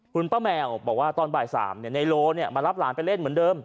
คุณป้าแมวบอกว่าตอนบ่าย๓นายโลมารับหลานไปเล่นเหมือนเดิม